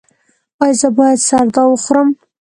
ایا زه باید سردا وخورم؟